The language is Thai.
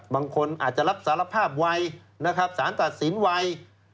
บางคนอาจจะรับสารภาพวัยสารตัดสินวัย